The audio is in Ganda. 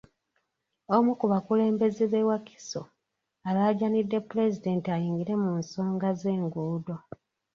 Omu ku bakulembeze b'e Wakiso alaajanidde Pulezidenti ayingire mu nsonga z'enguudo.